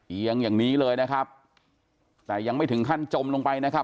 เอียงอย่างนี้เลยนะครับแต่ยังไม่ถึงขั้นจมลงไปนะครับ